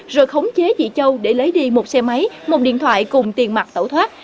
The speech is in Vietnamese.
rồi khống chế chị châu để lấy đi một xe máy một điện thoại cùng tiền mặt tẩu thoát